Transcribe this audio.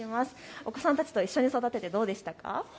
お子さんたちと一緒に育ててどうでしたか。